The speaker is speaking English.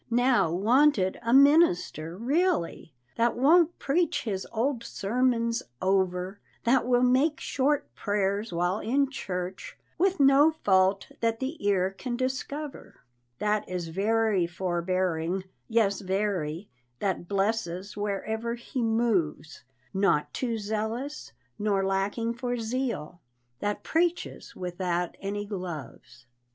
Now, "wanted, a minister," really, That won't preach his old sermons over, That will make short prayers while in church, With no fault that the ear can discover, That is very forbearing, yes very, That blesses wherever he moves Not too zealous, nor lacking for zeal, That _preaches without any gloves!